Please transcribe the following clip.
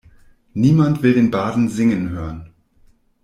Niemand will den Barden singen hören.